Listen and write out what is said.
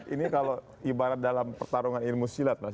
ini kalau ibarat dalam pertarungan ilmu silat mas